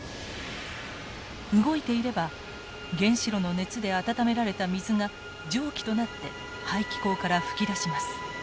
動いていれば原子炉の熱で温められた水が蒸気となって排気口から噴き出します。